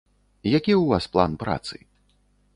Які ў вас план працы?